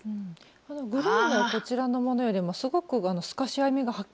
このグレーのこちらのものよりもすごく透かし編みがはっきりしてますね。